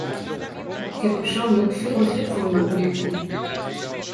Ik heb persoonlijk veel begrip voor uw opmerkingen.